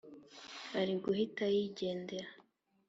ari guhita yigendera.